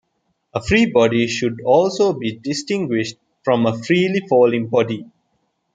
A "free body" should also be distinguished from a "freely falling body".